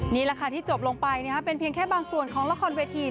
นี่แหละค่ะที่จบลงไปเป็นเพียงแค่บางส่วนของละครเวที